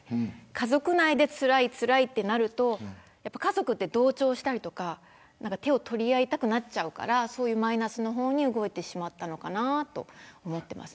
家族内で、つらいつらいとなると同調したり手を取り合いたくなっちゃうからマイナスの方に動いてしまったのかなと思ってます。